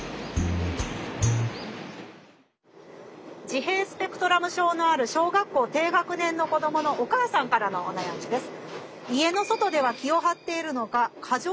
自閉スペクトラム症のある小学校低学年の子どものお母さんからのお悩みです。